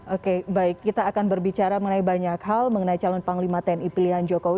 oke baik kita akan berbicara mengenai banyak hal mengenai calon panglima tni pilihan jokowi